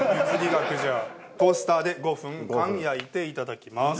トースターで５分間焼いていただきます。